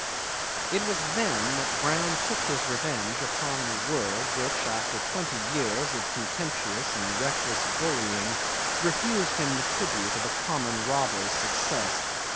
'It was then that Brown took his revenge upon the world which, after twenty years of contemptuous and reckless bullying, refused him the tribute of a common robber's success.